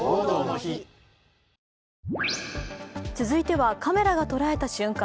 続いてはカメラが捉えた瞬間。